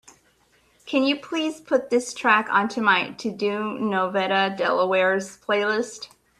Can you please put this track onto my TODO NOVEDADelawareS playlist?